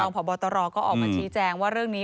พบตรก็ออกมาชี้แจงว่าเรื่องนี้